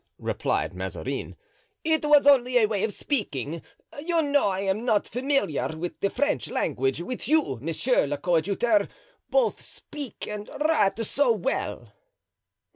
'" replied Mazarin. "It was only a way of speaking. You know I am not familiar with the French language, which you, monsieur le coadjuteur, both speak and write so well."